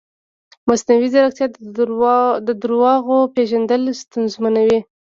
مصنوعي ځیرکتیا د دروغو پېژندل ستونزمنوي.